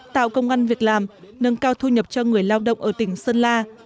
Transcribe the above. tạo công an việc làm nâng cao thu nhập cho người lao động ở tỉnh sơn la